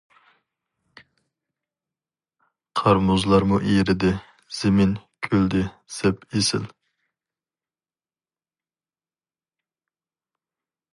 قار-مۇزلارمۇ ئېرىدى، زېمىن كۈلدى زەپ ئېسىل.